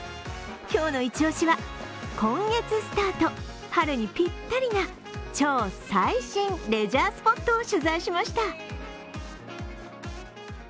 今日のイチオシは、今月スタート、春にぴったりな超最新レジャースポットを取材しました。